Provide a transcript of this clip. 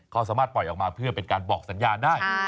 เขาสามารถปล่อยออกมาเพื่อเป็นการบอกสัญญาณได้